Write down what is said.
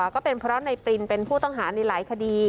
ก็เป็นเพราะนายปรินเป็นผู้ต้องหาในหลายคดี